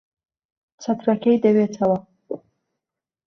چەترەکەی دەوێتەوە.